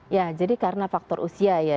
ya jadi karena faktor usia ya